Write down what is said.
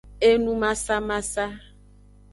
Enumasamasa.